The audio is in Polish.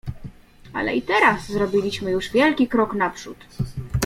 "Ale i teraz zrobiliśmy już wielki krok naprzód."